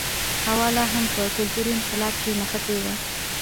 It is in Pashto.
هوا لا هم په کلتوري انقلاب کې نښتی و.